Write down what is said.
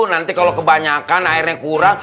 nanti kalau kebanyakan airnya kurang